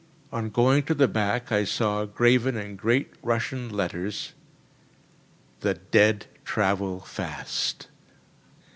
On going to the back I saw, graven in great Russian letters: "The dead travel fast."